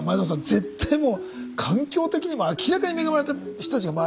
絶対もう環境的にも明らかに恵まれた人たちが周りにいる。